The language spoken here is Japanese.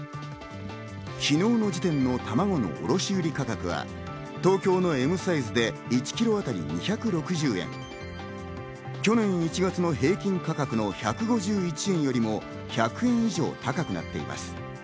昨日の時点での卵の卸売価格は東京のＭサイズで１キロ当たり２６０円、去年１月の平均価格の１５１円よりも１００円以上高くなっています。